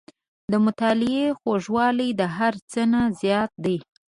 • د مطالعې خوږوالی د هر څه نه زیات دی.